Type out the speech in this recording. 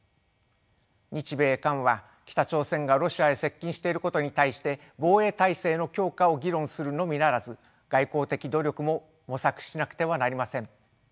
日米韓は北朝鮮がロシアへ接近していることに対して防衛体制の強化を議論するのみならず外交的努力も模索しなくてはなりません。